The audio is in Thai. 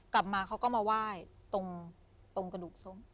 กลับมาเขาก็มาไหว้ตรงกระดูกส้ม